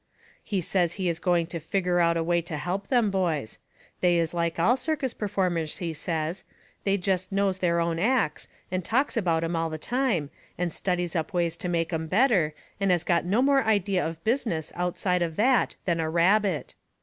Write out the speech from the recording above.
He says he is going to figger out a way to help them boys. They is like all circus performers, he says they jest knows their own acts, and talks about 'em all the time, and studies up ways to make 'em better, and has got no more idea of business outside of that than a rabbit.